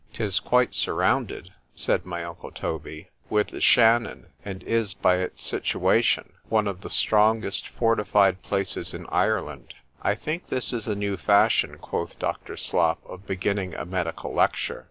—'Tis quite surrounded, said my uncle Toby, with the Shannon, and is, by its situation, one of the strongest fortified places in Ireland.—— I think this is a new fashion, quoth Dr. Slop, of beginning a medical lecture.